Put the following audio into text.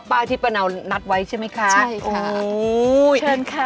ป๊าที่ปะหนาวนัดไว้ใช่ไหมคะใช่ค่ะ